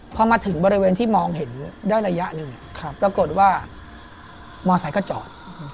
พอมาถึงบริเวณที่มองเห็นได้ระยะหนึ่งปรากฏว่ามอไซค์ก็จอด